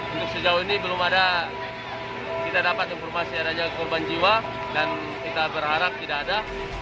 untuk sejauh ini belum ada kita dapat informasi adanya korban jiwa dan kita berharap tidak ada